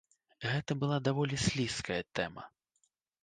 Гэта была даволі слізкая тэма.